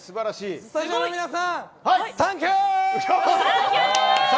スタジオの皆さん